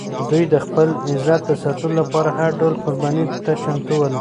دوی د خپل عزت د ساتلو لپاره هر ډول قربانۍ ته چمتو ول.